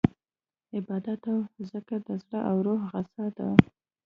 عبادت او ذکر د زړه او روح غذا ده.